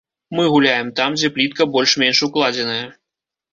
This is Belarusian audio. Мы гуляем там, дзе плітка больш-менш укладзеная.